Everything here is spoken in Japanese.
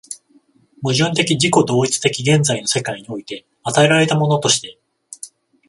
矛盾的自己同一的現在の世界において与えられたものとして、